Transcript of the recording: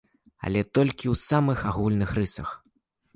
Але толькі ў самых агульных рысах!